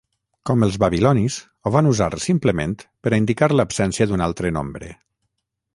Com els babilonis, ho van usar simplement per a indicar l'absència d'un altre nombre.